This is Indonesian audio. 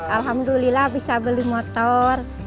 alhamdulillah bisa beli motor